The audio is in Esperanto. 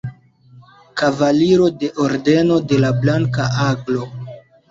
Kavaliro de Ordeno de la Blanka Aglo.